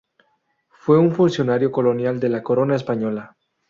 Fue un funcionario colonial de la Corona española.